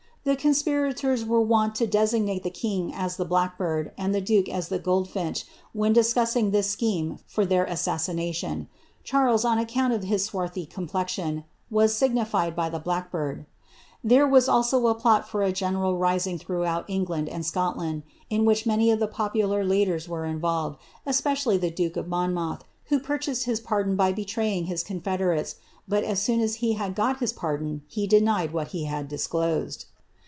The conspirato wont to designate the king as the blackbird, and the duke as thi finch, when discussing ttiis scheme for their assassination.' Cha account of his swarthy complexion, was signified by the bh Tiiere was also a plot for a general rising throughout England an land, in which many of the popular leaders were involved, especi duke of Monmouth, who purchased his pardon by betraying h federates, but as soon as he had got his panlon, he denied what disclosed.